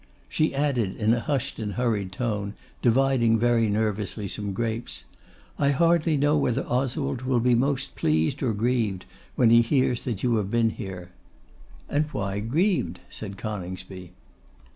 She added, in a hushed and hurried tone, dividing very nervously some grapes, 'I hardly know whether Oswald will be most pleased or grieved when he hears that you have been here.' 'And why grieved?' said Coningsby.